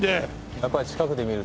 やっぱり近くで見ると。